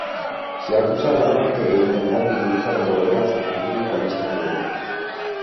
Se ha acusado a Nolte de intentar minimizar el Holocausto judío con esta teoría.